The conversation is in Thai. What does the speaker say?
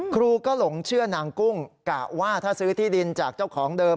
ครูก็หลงเชื่อนางกุ้งกะว่าถ้าซื้อที่ดินจากเจ้าของเดิม